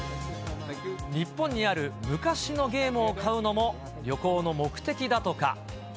日本にある昔のゲームを買うのも旅行の目的だとか。